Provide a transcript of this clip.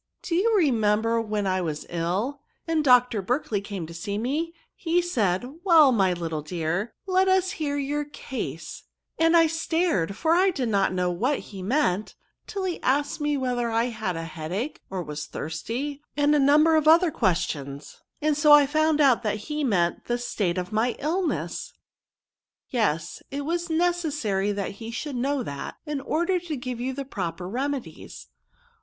Do you remember when I was ill, and Dr. Berkley came to see me ; he said, * Well, my little dear, let us hear your case ;* and I stared, for I did not know what he meant, till he asked me whether I had a headach, or was thirsty, and a number of other questions, and so I found out that he meant the state of my illness." '^ Yes ; it was necessary that he should know that, in order to give you proper re medies.